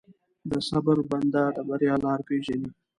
د صبر بنده، د بریا لاره پېژني.